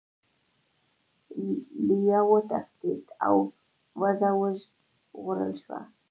لیوه وتښتید او وزه وژغورل شوه.